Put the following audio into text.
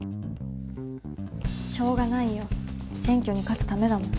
しょうがないよ選挙に勝つためだもん。